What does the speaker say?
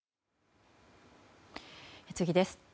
次です。